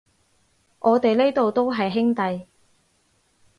我哋呢度都係兄弟